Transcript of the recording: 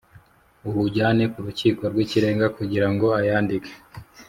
Uwujyane k Urukiko rw Ikirenga kugira ngo ayandike